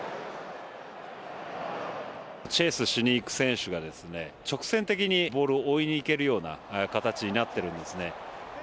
チェイスしに行く選手が直線的にボールを追いにいけるような形になっているんですね。